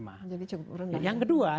jadi cukup rendah